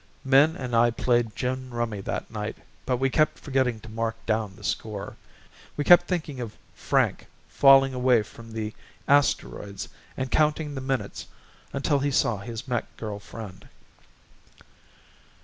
Min and I played gin rummy that night but we kept forgetting to mark down the score. We kept thinking of Frank falling away from the asteroids and counting the minutes until he saw his mech girl friend.